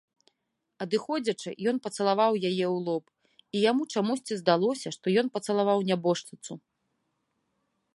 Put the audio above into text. Адыходзячы, ён пацалаваў яе ў лоб, і яму чамусьці здалося, што ён пацалаваў нябожчыцу.